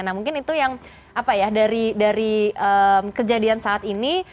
nah mungkin itu yang apa ya dari kejadian saat ini